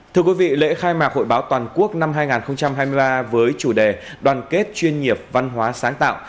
thưa quý vị lễ khai mạc hội báo toàn quốc năm hai nghìn hai mươi ba với chủ đề đoàn kết chuyên nghiệp văn hóa sáng tạo